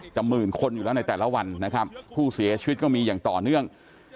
หมื่นคนอยู่แล้วในแต่ละวันนะครับผู้เสียชีวิตก็มีอย่างต่อเนื่อง